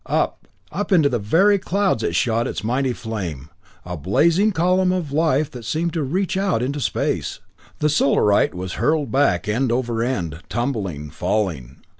Up up into the very clouds it shot its mighty flame, a blazing column of light that seemed to reach out into space. The Solarite was hurled back end over end, tumbling, falling.